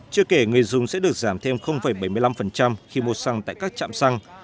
chưa kể người dùng sẽ được giảm thêm bảy mươi năm khi mua xăng tại các trạm xăng